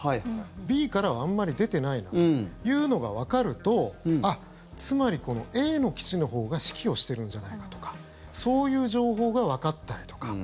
Ｂからはあんまり出てないなというのがわかるとつまり、このＡの基地のほうが指揮をしてるんじゃないかとかそういう情報がわかったりとか。